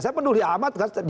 saya penduli amat